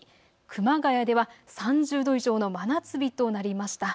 熊谷では３０度以上の真夏日となりました。